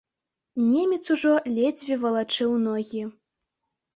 Немец ужо ледзьве валачыў ногі.